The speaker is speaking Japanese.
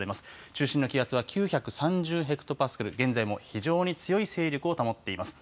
中心の気圧は９３０ヘクトパスカル、現在も非常に強い勢力を保っています。